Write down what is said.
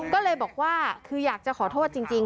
ก็เลยบอกว่าคืออยากจะขอโทษจริง